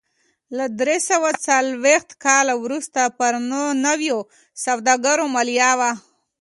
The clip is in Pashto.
له درې سوه څلرویشت کال وروسته پر نویو سوداګرو مالیه و